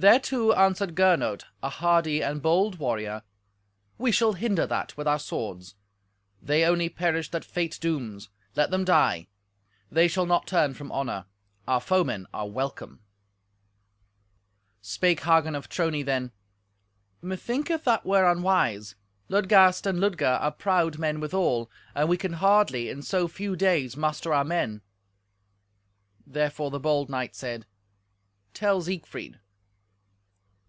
Thereto answered Gernot, a hardy and bold warrior, "We shall hinder that with our swords. They only perish that fate dooms. Let them die. They shall not turn from honour. Our foemen are welcome." Spake Hagen of Trony then, "Methinketh that were unwise. Ludgast and Ludger are proud men withal, and we can hardly in so few days muster our men." Therefore the bold knight said, "Tell Siegfried."